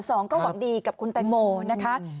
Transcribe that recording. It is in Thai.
สองก็หวังดีกับคุณแตงโมนะคะ